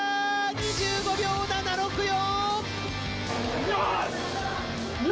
２５秒７６４！